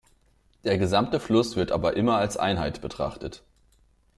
Der gesamte Fluss wird aber immer als Einheit betrachtet.